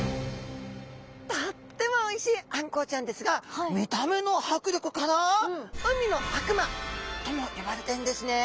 とってもおいしいあんこうちゃんですが見た目のはくりょくから海の悪魔とも呼ばれてるんですね。